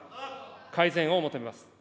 改善を求めます。